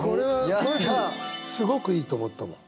すごくいいと思ったもん。